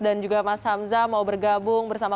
dan juga mas hamzah mau bergabung bersama